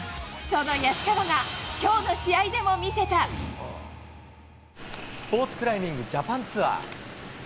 その安川が、きょうの試合でスポーツクライミングジャパンツアー。